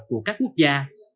của các quốc gia